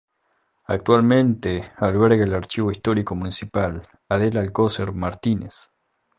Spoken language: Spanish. Actualmente alberga el Archivo Histórico Municipal "Adela Alcocer Martínez.